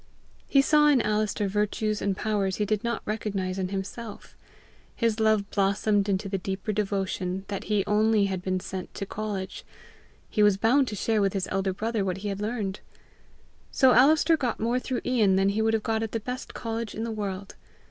He saw in Alister virtues and powers he did not recognize in himself. His love blossomed into the deeper devotion that he only had been sent to college: he was bound to share with his elder brother what he had learned. So Alister got more through Ian than he would have got at the best college in the world.